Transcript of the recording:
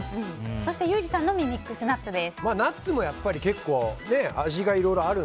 そしてユージさんのみミックスナッツです。